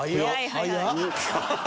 早っ。